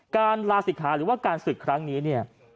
การลาศิกขาหรือการศึกครั้งนี้